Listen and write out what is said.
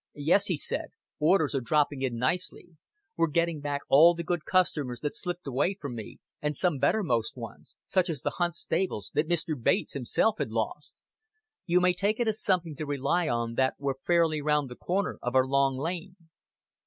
"Yes," he said, "orders are dropping in nicely. We're getting back all the good customers that slipped away from me, and some bettermost ones such as the Hunt stables that Mr. Bates himself had lost. You may take it as something to rely on that we're fairly round the corner of our long lane."